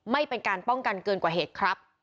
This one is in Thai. ไม่เป็นการป้องกันเกินกว่าเหตุครับ